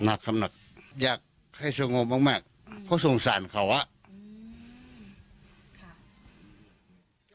หนักครับหนักอยากให้สงบมากมากเพราะสงสารเขาอ่ะอืมค่ะ